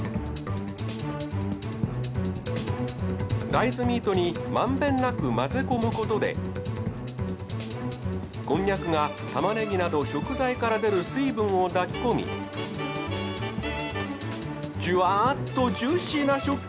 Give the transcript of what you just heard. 大豆ミートにまんべんなく混ぜ込むことでこんにゃくが玉ねぎなど食材から出る水分を抱き込みジュワッとジューシーな食感を実現できました。